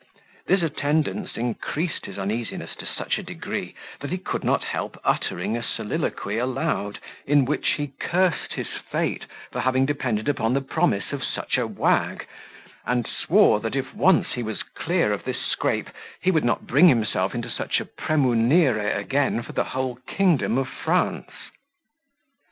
This attendance increased his uneasiness to such a degree, that he could not help uttering a soliloquy aloud, in which he cursed his fate for having depended upon the promise of such a wag; and swore, that if once he was clear of this scrape, he would not bring himself into such a premunire again for the whole kingdom of France.